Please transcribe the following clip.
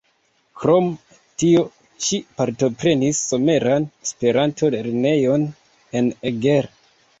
Krom tio ŝi partoprenis Someran Esperanto-lernejon en Eger.